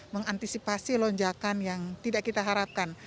mengantisipasi lonjakan yang tidak kita harapkan